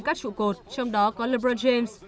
các trụ cột trong đó có lebron james